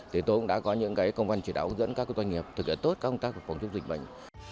thì tôi cũng đã có những công văn chỉ đạo hướng dẫn các doanh nghiệp thực hiện tốt các công tác phòng chống dịch bệnh